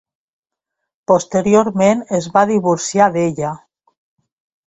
Posteriorment es va divorciar d'ella.